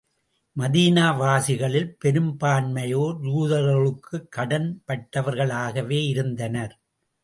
Medina வாசிகளில் பெரும்பான்மையோர் யூதர்களுக்குக் கடன் பட்டவர்களாகவே இருந்தனர்.